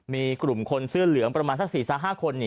มีกลุ่มคนเสื้อเหลืองประมาณสัก๔๕คน